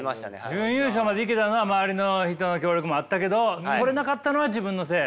準優勝までいけたのは周りの人の協力もあったけど取れなかったのは自分のせい。